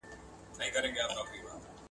له نشه یي توکو ځان وساتئ.